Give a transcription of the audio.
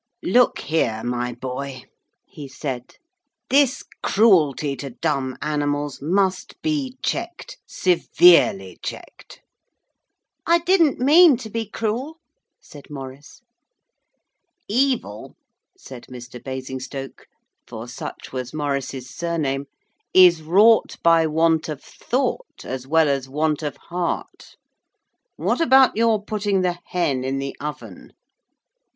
'Look here, my boy,' he said. 'This cruelty to dumb animals must be checked severely checked.' 'I didn't mean to be cruel,' said Maurice. 'Evil,' said Mr. Basingstoke, for such was Maurice's surname, 'is wrought by want of thought as well as want of heart. What about your putting the hen in the oven?'